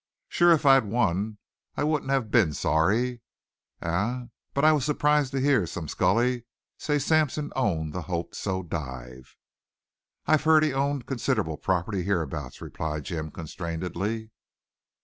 Sure if I'd won I wouldn't have been sorry, eh? But I was surprised to hear some scully say Sampson owned the Hope So dive." "I've heard he owned considerable property hereabouts," replied Jim constrainedly.